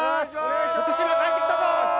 福島帰って来たぞ！